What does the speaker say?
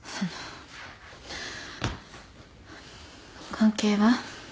関係は？